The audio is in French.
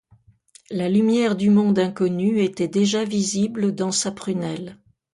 La lumière du monde inconnu était déjà visible dans sa prunelle.